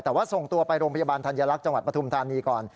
แต่ว่าส่งตัวไปโรงพยาบาลธัญลักษณ์จังหวัดปฐุมธานีก่อน